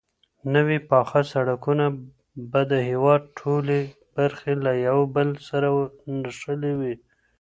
نوي پاخه سړکونه به د هيواد ټولې برخې له يو بل سره نښلولې وي.